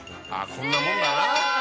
こんなもんだな